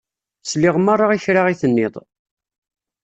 Sliɣ merra i kra i tenniḍ